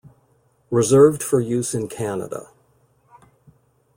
Reserved for use in Canada.